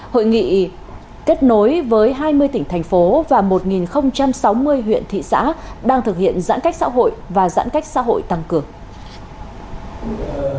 hội nghị kết nối với hai mươi tỉnh thành phố và một sáu mươi huyện thị xã đang thực hiện giãn cách xã hội và giãn cách xã hội tăng cường